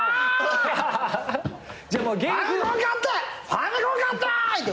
ファミコン買って！